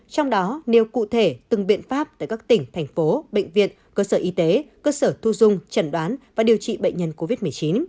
trong đó nêu cụ thể từng biện pháp tại các tỉnh thành phố bệnh viện cơ sở y tế cơ sở thu dung trần đoán và điều trị bệnh nhân covid một mươi chín